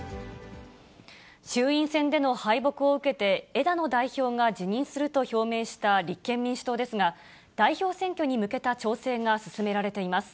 衆院選での敗北を受けて、枝野代表が辞任すると表明した立憲民主党ですが、代表選挙に向けた調整が進められています。